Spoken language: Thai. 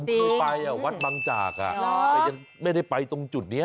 เคยไปวัดบางจากแต่ยังไม่ได้ไปตรงจุดนี้